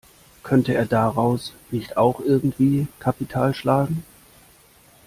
Könnte er daraus nicht auch irgendwie Kapital schlagen?